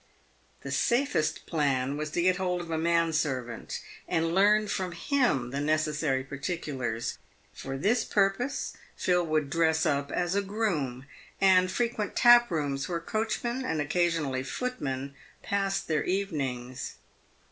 The safest plan was to get hold of a man servant, and learn from him the necessary particulars. lor this purpose, Phil would dress up as a groom, and frequent taprooms where coachmen, and occasionally footmen, passed their evenings.